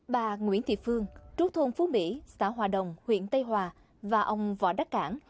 bà nguyễn thị phương trú thôn phú mỹ xã hòa đồng huyện tây hòa và ông võ đắc cảng